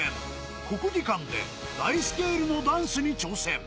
国技館で大スケールのダンスに挑戦。